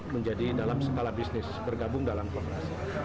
menjadi dalam skala bisnis bergabung dalam kooperasi